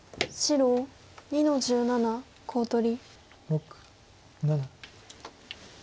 黒３の十七コウ取り。